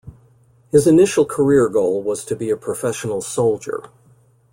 His initial career goal was to be a professional soldier.